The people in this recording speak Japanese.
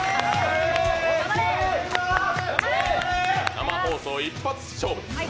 生放送一発勝負です。